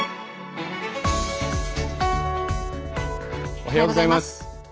おはようございます。